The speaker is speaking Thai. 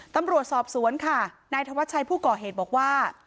ตำรวจสอบสวนค่ะนายธวัชชัยผู้ก่อเหตุบอกว่า